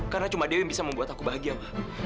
karena cuma dewi yang bisa membuat aku bahagia ma